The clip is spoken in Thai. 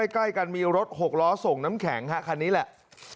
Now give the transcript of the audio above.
ใกล้กันมีรถหกล้อส่งน้ำแข็งคันนี้แหละ